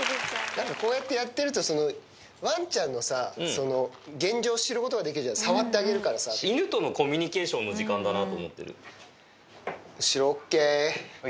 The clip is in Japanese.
こうやってやってると、ワンちゃんの現状を知ることができるじゃない、触ってあげるから犬とのコミュニケーションの後ろ、ＯＫ。